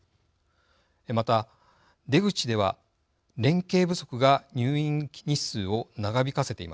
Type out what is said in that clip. また出口では連携不足が入院日数を長引かせています。